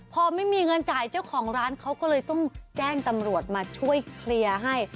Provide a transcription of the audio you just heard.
พอไม่มีเงินจ่ายเจ้าของร้านเขาก็เลยต้องแจ้งตำรวจมาช่วยเคลียร์ให้